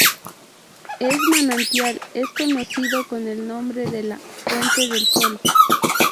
Ese manantial es conocido con el nombre de la "Fuente del Sol"".